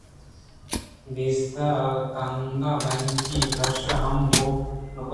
دیست ئِے کہ تگناں بینگی تُش ئِے ہم گوٛہ نہ کنت